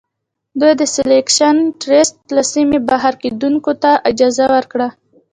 دوی د سیلکشن ټرست له سیمې بهر کیندونکو ته اجازه ورکړه.